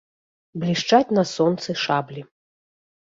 Блішчаць на сонцы шаблі.